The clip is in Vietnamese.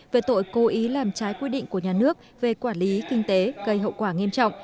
về tội cố ý làm trái quy định của nhà nước về quản lý kinh tế gây hậu quả